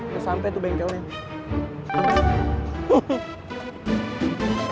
kesampe tuh bengkelnya